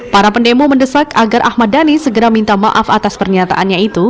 para pendemo mendesak agar ahmad dhani segera minta maaf atas pernyataannya itu